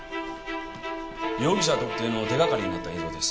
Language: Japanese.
容疑者特定の手がかりになった映像です。